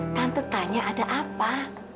tante tanya ada apa